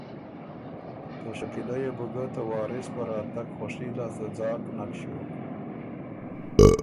ته شکیلۀ يې بو ګه ته وارث په راتګ خوشي لاسته ځاک نک ݭیوک۔